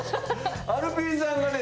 アルピーさんがね